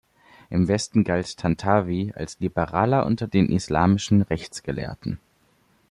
Im Westen galt Tantawi als Liberaler unter den islamischen Rechtsgelehrten.